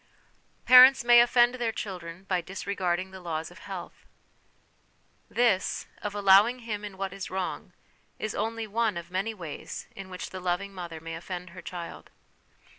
Parents may Offend their Children by Disre garding the Laws of Health. This, of allowing him in what is wrong, is only one of many ways in which the loving mother may offend her child.